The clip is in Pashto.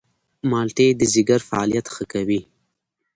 مالټې د ځيګر فعالیت ښه کوي.